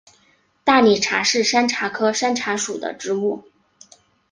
大理茶是山茶科山茶属的植物。